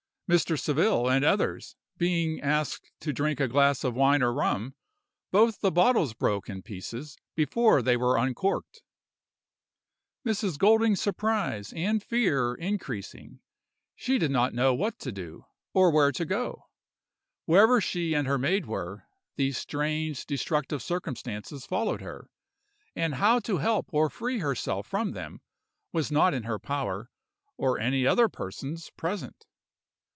Mr. Saville and others being asked to drink a glass of wine or rum, both the bottles broke in pieces before they were uncorked! "Mrs. Golding's surprise and fear increasing, she did not know what to do, or where to go. Wherever she and her maid were, these strange, destructive circumstances followed her, and how to help or free herself from them was not in her power or any other person's present.